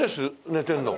寝てるの。